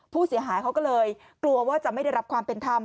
ผู้เสียหายเขาก็เลยกลัวว่าจะไม่ได้รับความเป็นธรรม